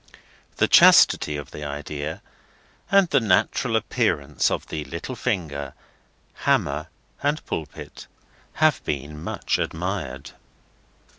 The chastity of the idea, and the natural appearance of the little finger, hammer, and pulpit, have been much admired.